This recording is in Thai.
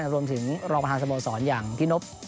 รวมถึงรองประธานสโมสรอย่างพี่นบ